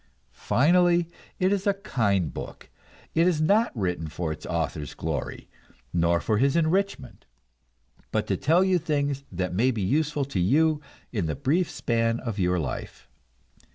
Finally, it is a kind book; it is not written for its author's glory, nor for his enrichment, but to tell you things that may be useful to you in the brief span of your life.